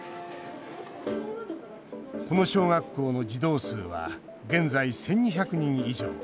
この小学校の児童数は現在１２００人以上。